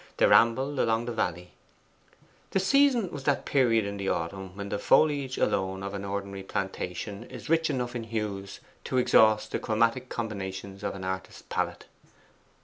They rambled along the valley. The season was that period in the autumn when the foliage alone of an ordinary plantation is rich enough in hues to exhaust the chromatic combinations of an artist's palette.